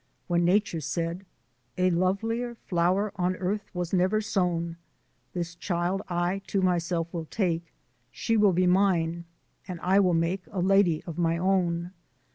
When Nature said, "A lovelier flower On earth was never sown: This child I to myself will take: She will be mine, and I will make A lady of my own.